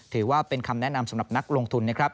ถือว่าเป็นคำแนะนำสำหรับนักลงทุนนะครับ